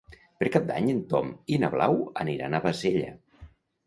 Per Cap d'Any en Tom i na Blau aniran a Bassella.